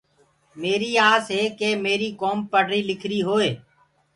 ميري آس هي ڪي ميري ڪوم پڙريٚ لکريٚ هوئي۔